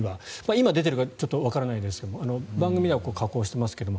今出ているかはわからないですが番組では加工していますが。